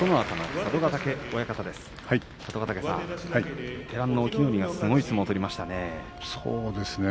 佐渡ヶ嶽さん、隠岐の海がすごい相撲を取りましたね。